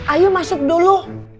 ayo masuk dulu